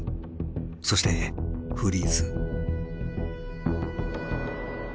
そしてフリーズ。